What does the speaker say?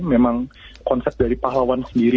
memang konsep dari pahlawan sendiri